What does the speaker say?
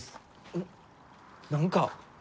うっ何か。